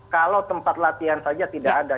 kalau tempat latihan saja tidak ada